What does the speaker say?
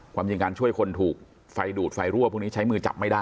ความจริงการช่วยคนถูกไฟดูดไฟรั่วพวกนี้ใช้มือจับไม่ได้